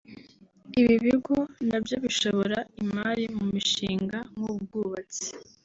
Ibi bigo nabyo bishora imari mu mishinga nk’ubwubatsi